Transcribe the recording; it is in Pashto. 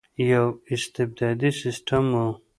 یو استبدادي سسټم وو.